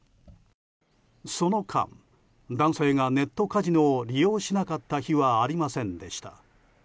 その間、男性がネットカジノを利用しなかった日はありませんでした。